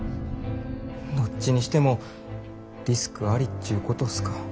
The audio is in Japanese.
どっちにしてもリスクありっちゅうことすか。